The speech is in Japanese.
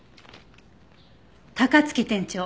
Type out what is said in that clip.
高槻店長。